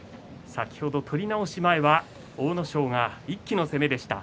先ほど取り直し前は阿武咲が一気の攻めでした。